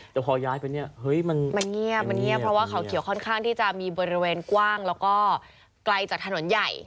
แต่พอย้ายไปเนี่ยเฮ้ยมันเงียบมันเงียบเพราะว่าเขาเขียวค่อนข้างที่จะมีบริเวณกว้างแล้วก็ไกลจากถนนใหญ่